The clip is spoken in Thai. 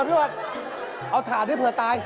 ค่อยระวังฟันขุดพื้นนะ